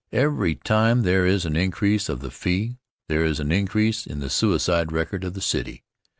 Every time there is an increase of the fee, there is an increase in the suicide record of the city.